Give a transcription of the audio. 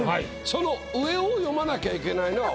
その上を詠まなきゃいけないのは私なんです。